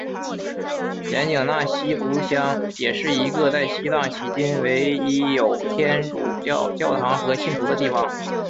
盐井纳西族乡也是一个在西藏迄今唯一有天主教教堂和信徒的地方。